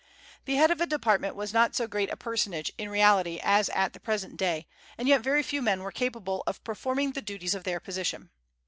The head of a department was not so great a personage, in reality, as at the present day, and yet very few men were capable of performing the duties of their position.